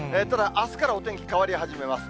あすからお天気、変わり始めます。